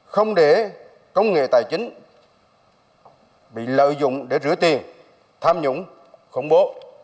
không để công nghệ tài chính bị lợi dụng để rửa tiền tham nhũng khủng bố